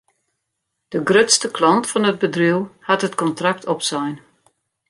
De grutste klant fan it bedriuw hat it kontrakt opsein.